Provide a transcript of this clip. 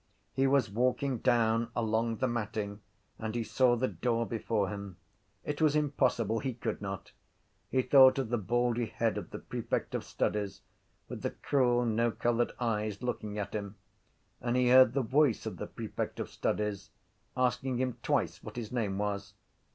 He was walking down along the matting and he saw the door before him. It was impossible: he could not. He thought of the baldy head of the prefect of studies with the cruel no coloured eyes looking at him and he heard the voice of the prefect of studies asking him twice what his name was.